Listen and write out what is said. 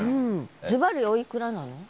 ずばりおいくらなの？